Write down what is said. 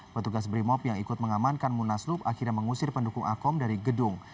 petugas brimob yang ikut mengamankan munaslup akhirnya mengusir pendukung akom dari gedung